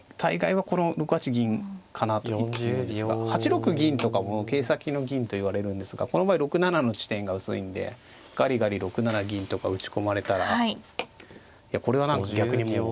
８六銀とかも桂先の銀といわれるんですがこの場合６七の地点が薄いんでガリガリ６七銀とか打ち込まれたらいやこれは何か逆にもう。